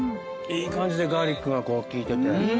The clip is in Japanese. いい感じでガーリックが効いてて。